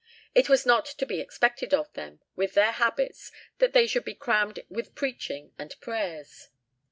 "It was not to be expected of them, with their habits, that they should be crammed with preaching and prayers."